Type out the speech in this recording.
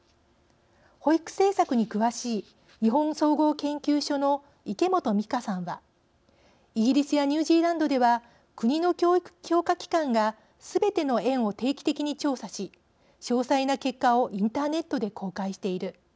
保育政策に詳しい日本総合研究所の池本美香さんは「イギリスやニュージーランドでは国の教育評価機関がすべての園を定期的に調査し詳細な結果をインターネットで公開している。